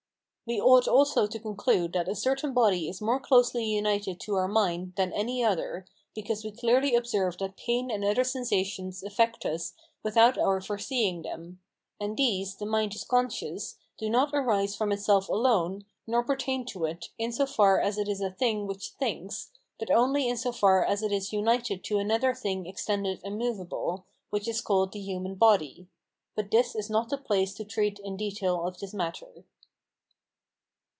We ought also to conclude that a certain body is more closely united to our mind than any other, because we clearly observe that pain and other sensations affect us without our foreseeing them; and these, the mind is conscious, do not arise from itself alone, nor pertain to it, in so far as it is a thing which thinks, but only in so far as it is united to another thing extended and movable, which is called the human body. But this is not the place to treat in detail of this matter.